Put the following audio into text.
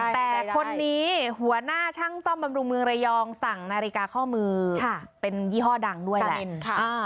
แต่คนนี้หัวหน้าช่างซ่อมบำรุงเมืองระยองสั่งนาฬิกาข้อมือเป็นยี่ห้อดังด้วยแหละ